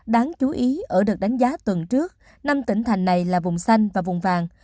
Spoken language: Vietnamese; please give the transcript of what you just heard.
đáng chú ý ở đợt đánh giá tuần trước năm tỉnh thành này là vùng xanh và vùng vàng